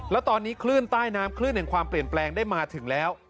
แล้วตอนนี้คลื่นใต้น้ำคลื่นแห่งความเปลี่ยนแปลงได้มาถึงแล้ว